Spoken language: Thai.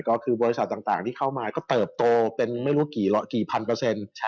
ก็คือบริษัทต่างที่เข้ามาก็เติบโตเป็นไม่รู้กี่พันเปอร์เซ็นต์